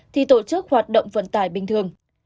thì tổ chức hoạt động vận tải bình thường